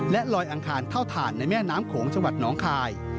และลอยอังคารเท่าฐานในแม่น้ำโขงจังหวัดน้องคาย